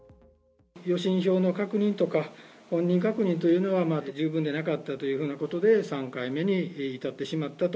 予診票の確認とか、本人確認というのが、十分でなかったというふうなことで、３回目に至ってしまったと。